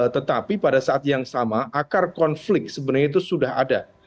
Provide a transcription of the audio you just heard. tetapi pada saat yang sama akar konflik sebenarnya itu sudah ada